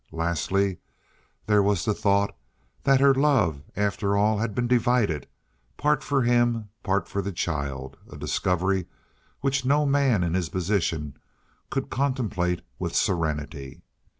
Lastly, there was the thought that her love after all had been divided, part for him, part for the child, a discovery which no man in his position could contemplate with serenity.